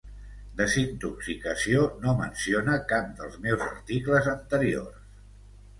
Desintoxicació no menciona cap dels meus articles anteriors.